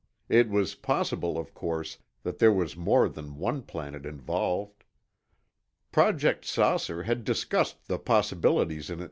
It was possible, of course, that there was more than one planet involved. Project "Saucer" had discussed the possibilities in it!